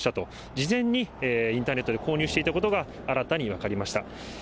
事前にインターネットで購入していたことが新たに分かりました。